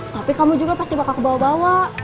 tapi kamu juga pasti bakal kebawa bawa